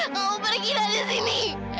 kamu pergi dari sini